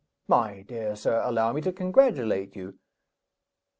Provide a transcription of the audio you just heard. "My dear sir, allow me to congratulate you!"